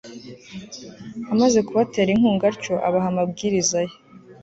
amaze kubatera inkunga atyo, abaha amabwiriza ye